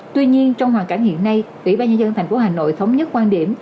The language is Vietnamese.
tuy nhiên trong hoàn cảnh hiện nay ủy ban nhân dân tp hcm thống nhất quan điểm